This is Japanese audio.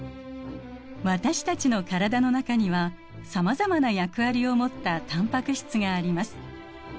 私たちの体の中にはさまざまな役割を持ったタンパク質があります。